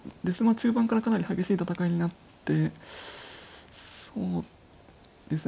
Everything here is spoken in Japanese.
中盤からかなり激しい戦いになってそうですね